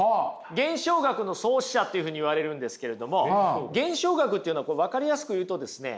現象学の創始者っていうふうにいわれるんですけれども現象学っていうの分かりやすく言うとですね